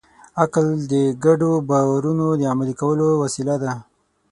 عقل د ګډو باورونو د عملي کولو وسیله ده.